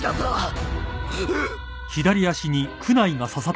うっ！